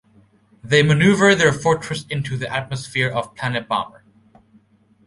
They maneuver their fortress into the atmosphere of Planet Bomber.